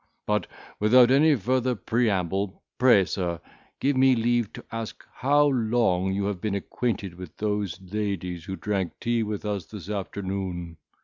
But, without any further preamble, pray, sir, give me leave to ask how long you have been acquainted with those ladies who drank tea with us this afternoon.